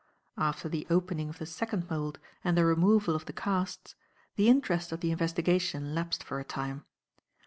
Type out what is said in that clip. After the opening of the second mould and the removal of the casts, the interest of the investigation lapsed for a time.